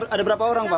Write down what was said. ada berapa orang pak